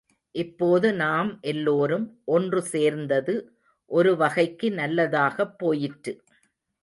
இப்போது நாம் எல்லோரும் ஒன்று சேர்ந்தது ஒரு வகைக்கு நல்லதாகப் போயிற்று.